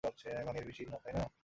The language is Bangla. মানে, এর বেশি না, তাই না?